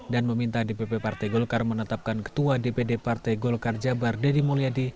dan meminta dpp partai golkar menetapkan ketua dpd partai golkar jawa barat deddy mulyadi